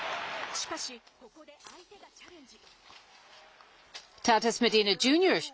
しかし、ここで相手がチャレンジ。